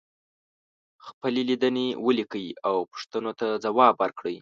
خپلې لیدنې ولیکئ او پوښتنو ته ځواب ورکړئ.